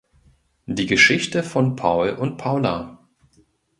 Die Geschichte von Paul und Paula.